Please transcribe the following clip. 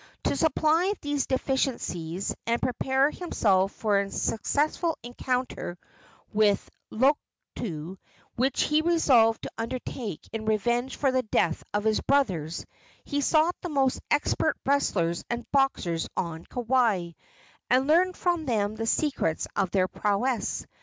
To supply these deficiencies, and prepare himself for a successful encounter with Lotu, which he resolved to undertake in revenge for the death of his brothers, he sought the most expert wrestlers and boxers on Kauai, and learned from them the secrets of their prowess.